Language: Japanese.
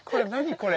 これ。